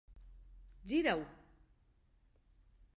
Gira-ho!